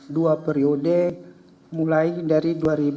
dua periode mulai dari dua ribu lima belas